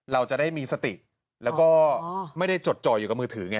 เราจะได้มีสติแล้วก็ไม่ได้จดจ่ออยู่กับมือถือไง